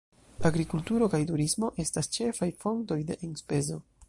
Agrikulturo kaj turismo estas la ĉefaj fontoj de enspezo.